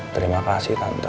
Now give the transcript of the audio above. terima kasih tante